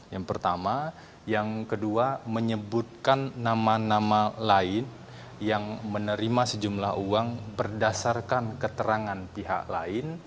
yang pertama yang kedua menyebutkan nama nama lainnya